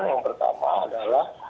yang pertama adalah